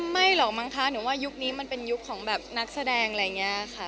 ไม่หรอกมั้งคะหนูว่ายุคนี้มันเป็นยุคของแบบนักแสดงอะไรอย่างนี้ค่ะ